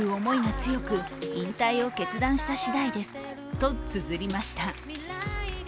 とつづりました。